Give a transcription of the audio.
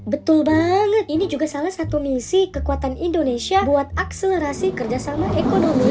betul banget ini juga salah satu misi kekuatan indonesia buat akselerasi kerjasama ekonomi